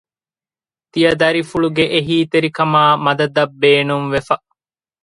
ތިޔަދަރިފުޅުގެ އެހީތެރިކަމާއި މަދަދަށް ބޭނުންވެފަ